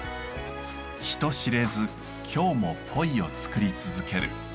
人知れず今日もポイをつくり続ける。